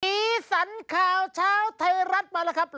สีสันข่าวเช้าไทยรัฐมาแล้วครับ